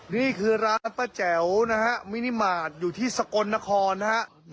นี่คือร้านป้าแจ๋วนะฮะมินิมาตรอยู่ที่สกลนครนะฮะ